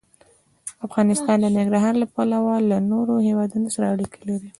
افغانستان د ننګرهار له پلوه له نورو هېوادونو سره اړیکې لري.